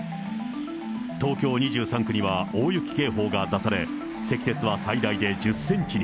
東京２３区には大雪警報が出され、積雪は最大で１０センチに。